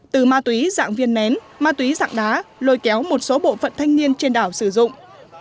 từ ma túy dạng viên nén ma túy dạng đá lôi kéo một số bộ phận thanh niên trên đảo sử dụng